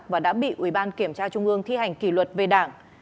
và đã bị ubnd thi hành kỷ luật về đảng